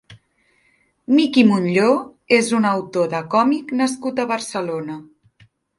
Miki Montlló és un autor de còmic nascut a Barcelona.